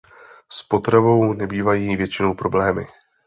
S potravou nebývají většinou problémy.